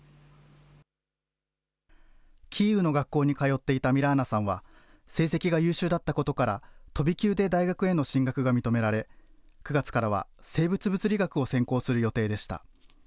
キーウの学校に通っていたミラーナさんは、成績が優秀だったことから、飛び級で大学への進学が認められ、９月からは、生物物理学を専攻する予定でした。